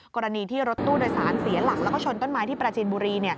กรณีที่รถตู้โดยสารเสียหลักแล้วก็ชนต้นไม้ที่ปราจินบุรี